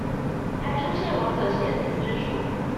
還出現亡者顯靈之術